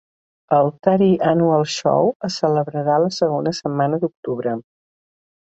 El Taree Annual Show es celebrarà la segona setmana d"octubre.